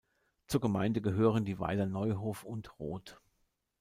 Zur Gemeinde gehören die Weiler Neuhof und Roth.